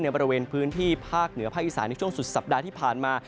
บริเวณพื้นที่ภาคเหนือภาคอีสานในช่วงสุดสัปดาห์ที่ผ่านมา